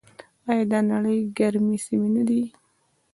آیا دا د نړۍ ګرمې سیمې نه دي؟